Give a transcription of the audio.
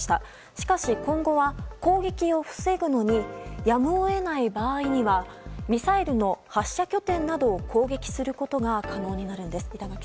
しかし今後は、攻撃を防ぐのにやむを得ない場合にはミサイルの発射拠点などを攻撃することが可能になるんです。